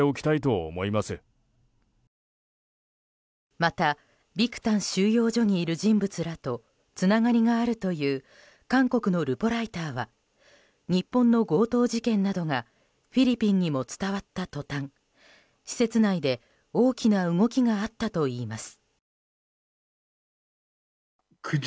またビクタン収容所にいる人物らとつながりがあるという韓国のルポライターは日本の強盗事件などがフィリピンにも伝わった途端施設内で大きな動きがあったといいます。